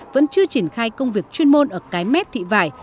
vẫn chưa triển khai công việc chuyên môn ở cái mép thị vải